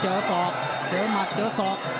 เจอสองเจอถมันเจอสอง